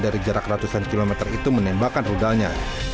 ratusan kilometer itu menembakkan rudalnya